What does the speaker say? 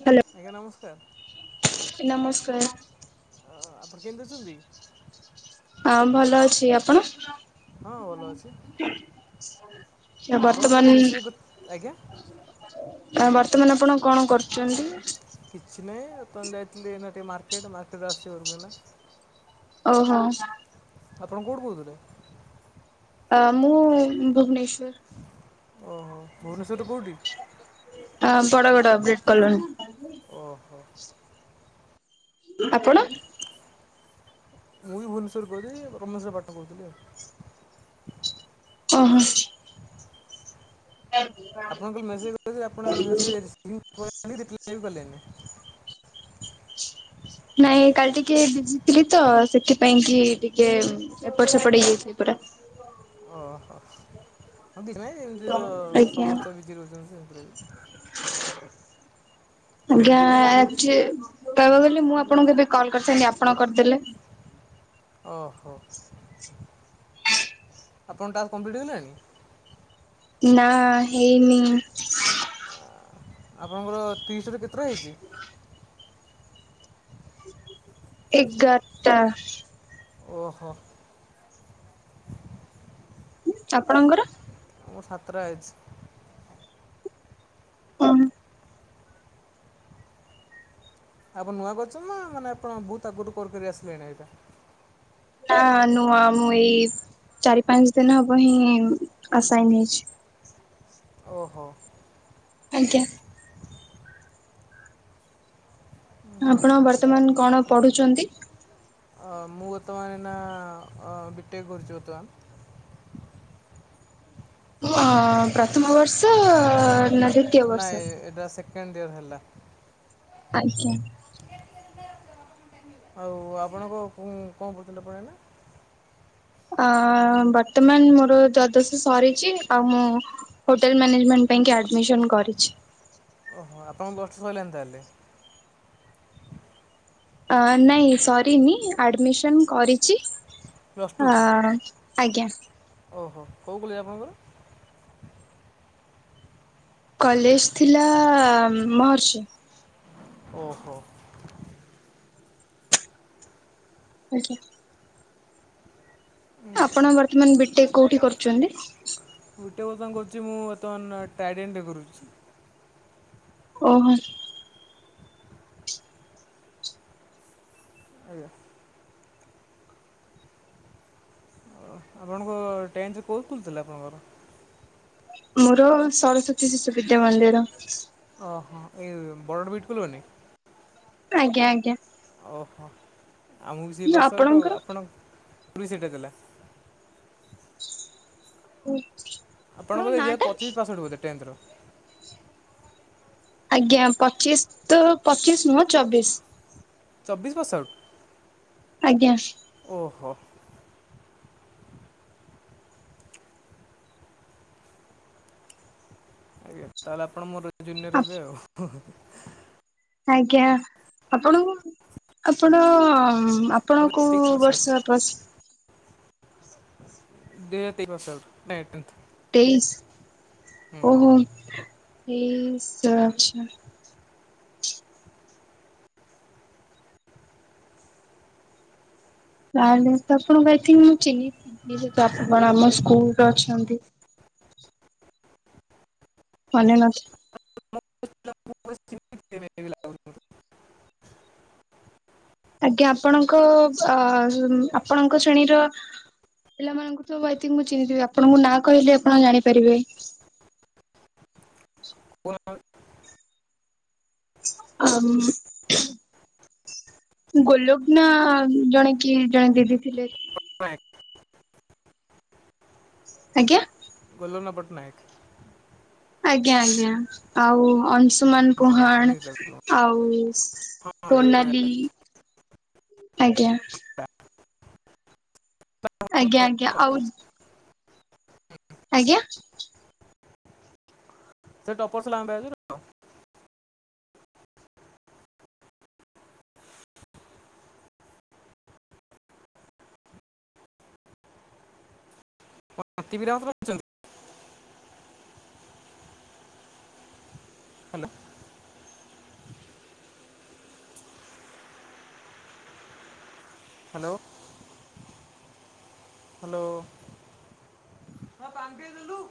Hello ନମସ୍କାର। ଅ ନମସ୍କାର ଅପଣ କେମତି ଅଛନ୍ତି? ହଁ ଭଲ ଅଛି ଆପଣ? ହଁ ଭଲ ଅଛି। ଆ ଆପଣଙ୍କୁ କାଲି ବର୍ତ୍ତମାନ ମେସେଜ୍ କରି ଆଜ୍ଞା ଆ ବର୍ତ୍ତମାନ ଆପଣ କଣ କରୁଛନ୍ତି? କିଛି ନାହିଁ ଏପର୍ଯ୍ୟନ୍ତ ଯାଇଥିଲି ଏଇନା ଟିକେ ମାର୍କେଟ ମାର୍କେଟରୁ ଆସୁଛି ଘରକୁ ଏଇନା। ଓ ହଁ। ଆପଣ କୋଉଠୁ କହୁଥିଲେ? ଅ ମୁଁ ଭୁବନେଶ୍ୱର। ଓହୋ ଭୁବନେଶ୍ୱରଠୁ କେଉଠି? ହଁ ବଡ ବଡ ବ୍ରିଟ କଲୋନୀ। ଓହୋ। ଆପଣ? ମୁଁ ବି ଭୁବନେଶ୍ୱର କହିଲି, ଭୁବନେଶ୍ୱର ରେ ପାଠ ପଢୁଥିଲି ଆଉ। ଓହୋ। ଆଜ [unintelligible] ଆପଣଙ୍କୁ କାଲି ମେସେଜ କରିଥିଲି ଆପଣ ମେସେଜ ସିନ କଲେନି କି ରିପ୍ଲାଏ କଲେଣି? ନାଇଁ କାଲି ଟିକେ ବିଜି ଥିଲି ତ ସେଥିପାଇଁ କି ଟିକେ ଏପଟ ସେପଟ ହେଇଯାଇଥିଲିପୁରା। ଅ ନାଇଁ ଏମିତି ତ ଆଜ୍ଞା ସମସ୍ତେ ବିଜି ରହୁଛନ୍ତି ଏମିତି ରେ ବି। ଆଜ୍ଞା ଆକ୍ ମୁଁ ଭାବୁଥିଲି ମୁଁ ଆପଣଙ୍କୁ ଏବେ କଲ୍ କରିିଥାନ୍ତି ଆପଣ କରିଦେଲେ? ଓହୋ। ଆପଣଙ୍କ ଟାସ୍କ କମ୍ପ୍ଲିଟ୍ ହେଇଗଲାଣି? ନାଁ ହେଇନି। ଆପଣଙ୍କର ତିରିଶରୁ କେତେଟା ହେଇଛି? ଏଗାରଟା। ଓହୋ। ଆପଣଙ୍କର? ମୋର ସାତ ଟା ହେଇଚି। ହଁ। ଆପଣ ନୂଆ କରିଛନ୍ତି ନା ମାନେ ଆପଣ ବହୁତ ଆଗରୁ କରି କରି ଆସିଲେଣି ଏଇଟା? ନା ନୂଆ ମୁଁ ଏଇ ଚାରି ପାଞ୍ଚ ଦିନ ହବ ହିଁ ଆଶାଇନ ହେଇଛି। ଓହୋ। ଆଜ୍ଞା। ଆପଣ ବର୍ତ୍ତମାନ କଣ ପଢୁଚନ୍ତି? ଅ, ମୁଁ ବର୍ତ୍ତମାନ ଏଇନା ବି ଟେକ୍ କରୁଛି ବର୍ତ୍ତମାନ। ଅ ପ୍ରଥମ ବର୍ଷ ନା ଦ୍ଵିତୀୟ ବର୍ଷ? ନାଇଁ ଏଇଟା ସେକେଣ୍ଡ ଇୟର ହେଲା। ଆଜ୍ଞା। ଆଉ ଆପଣଙ୍କ ଭ କଣ ପଢ଼ୁଥିଲେ କହିଲ? ଆ ବର୍ତ୍ତମାନ ମୋର ଦ୍ୱାଦଶ ସରିଛି ଆଉ ମୁଁ ହୋଟେଲ ମ୍ୟାନେଜେଣ୍ଟ ପାଇଁ କି ଆଡମିସନ କରିଛି। ଓହୋ ଆପଣଙ୍କ ବର୍ଷ ସରିଲାଣି ତାହେଲେ? ନାଇଁ ସରିନି ଆଡମିସନ କରିଛି। ପ୍ଲସ୍ ଟୁ ଆଁ ଆଜ୍ଞା। ଓହୋ କୋଉ କଲେଜ ଆପଣଙ୍କର? କଲେଜ ଥିଲା ମହର୍ଷି। ଓହୋ। ଆଜ୍ଞା। ଆପଣ ବର୍ତ୍ତମାନ ବି ଟେକ୍ କୋଉଠି କରୁଛନ୍ତି। ବିଟେକ୍ ବର୍ତ୍ତମାନ କରୁଛି ମୁଁ ବର୍ତ୍ତମାନ ଟାଇଡେନରେ କରୁଛି। ଓହୋ। ଆଜ୍ଞା ଓ ଆପଣଙ୍କ ଟେନ୍ଥ କୋଉ ସ୍କୁଲ ଥିଲା ଆପଣଙ୍କର? ମୋର ସରସ୍ଵତୀ ଶିଶୁ ବିିଦ୍ୟା ମନ୍ଦିର। ଓହୋ ଏଇ ବଡ଼ ବିଟ୍ କଲୋନୀ। ଆଜ୍ଞା ଆଜ୍ଞା। ଓହୋ ଆମକୁ ବି ସେ ପାଶ ଆଉଟୁ ଆପଣଙ୍କର? ଆପଣ କୁ ବି ସେଇଟା ଥିଲା। ହୁଁ ଆପଣଙ୍କର ଏଇ ପଚିଶ ପାସ ଆଉଟ ବୋଧେ ଟେନ୍ଥର। ଆଜ୍ଞା ପଚିଶ ତ ପଚିଶ ନୁହଁ ଚବିଶ। ଚବିଶ ପାସ ଆଉଟ୍? ଆଜ୍ଞା। ଓହୋ। ଏ ତାହେଲେ ଆପଣ ମୋର ଜୁନିୟର ହେବେ ଆଉ ହୁଁ ହୁଁ। ଆଜ୍ଞା ଆପଣଙ୍କ ଆପଣ ଆ ମୋର ଆପଣ ତେଇଶ କୋଉ ପାସଆଉଟ୍ ବର୍ଷ ପାସ ଦି ହଜାର ତେଇ ପାସ୍ ଆଉଟ୍ ନାଇଁ ଟେନ୍ଥ। ତେଇଶ ହୁଁ ଓହୋ ତେଇଶ ଆଚ୍ଛା। ତାହେଲେ ତ ଆପଣଙ୍କୁ ଆଇ ଥିଙ୍କ ମୁଁ ଚିହ୍ନିଥିବି ଯେହେତୁ ଆପଣ ଆମ ସ୍କୁଲରେ ଅଛନ୍ତି। ମନେ ନ ଆଜ୍ଞା ଆପଣଙ୍କ ଅ ଆପଣଙ୍କ ଶ୍ରେଣୀର ପିଲାମାନଙ୍କୁ ତ ଆଇ ଥିଙ୍କ ମୁଁ ଚିହ୍ନିଥିବି ଆପଣଙ୍କୁ ନାଁ କହିଲେ ଆପଣ ଜାଣିପାରିବେ। ଆମ୍ ଉଁ ହୁଁ। ଗୋଲଗ୍ନା ଜଣେ କିଏ ଜଣେ ଦିଦି ଥିଲେ। ଆଜ୍ଞା। ଗୋଲଗ୍ନା ପଟ୍ଟନାୟକ। ଆଜ୍ଞା ଆଜ୍ଞା ଆଉ ଅଂଶୁମାନ ହଁ ପୁହାଣ ଜାଣିଛି ତାକୁ ଆଉ ହଁ ପୁରୁଣା ସୋନାଲି ଆଜ୍ଞା। ଆଜ୍ଞା ଆଜ୍ଞା ଆଉ ଆଜ୍ଞା। ସେ ଟପର ଥିଲା ଆମ ବ୍ୟାଚର୍। ହାତୀବିରା [unintelligible] ଚନ୍ତି। Hello hello. ହ୍ୟାଲୋ ହଁ ପାଣି ଦେଲୁ।